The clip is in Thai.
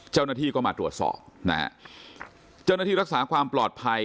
เจ้าหน้าที่ก็มาตรวจสอบนะฮะเจ้าหน้าที่รักษาความปลอดภัย